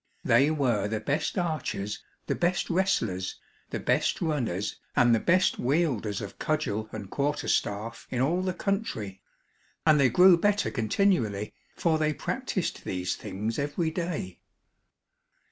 They were the best archers, the best wrestlers, the best runners and the best wielders of cudgel and quarter staff in all the country, and they grew better continually, for they practiced these things every day.